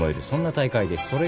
そんな大会です。